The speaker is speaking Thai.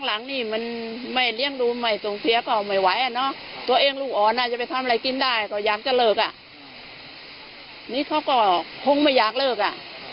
อะไรกินได้ก็อยากจะเลิกอ่ะนี่เขาก็คงไม่อยากเลิกอ่ะ